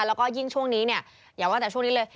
แล้วก็ยิ่งช่วงนี้เนี่ยอย่าว่าแต่ช่วงนี้เลย